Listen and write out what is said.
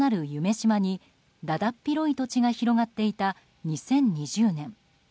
洲にだだっ広い土地が広がっていた２０２０年。